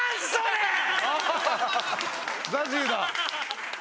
ああＺＡＺＹだ。